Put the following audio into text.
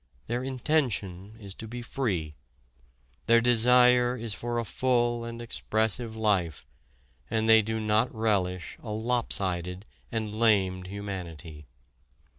Their intention is to be free. Their desire is for a full and expressive life and they do not relish a lop sided and lamed humanity.